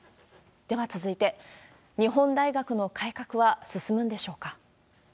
では続いて、日本大学の改革は進むんでしょうか。